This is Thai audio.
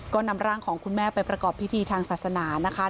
ก็นำร่างของคุณแม่ไปประกอบพิธีทางศาสนานะคะ